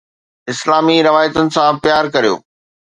اسلامي روايتن سان پيار ڪريو